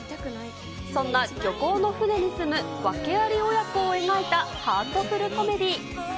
そんな漁港の船に住む訳あり親子を描いた、ハートフルコメディー。